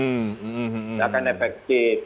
maka dia punya akan efektif